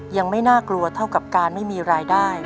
ยังไม่น่ากลัวเท่ากับการไม่มีรายได้